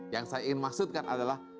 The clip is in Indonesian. yang saya ingin maksudkan adalah